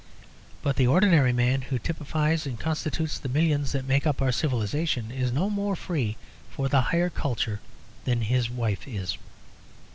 But the ordinary man who typifies and constitutes the millions that make up our civilisation is no more free for the higher culture than his wife is.